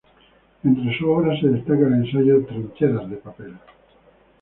Entre su obra se destaca el ensayo "Trincheras de papel.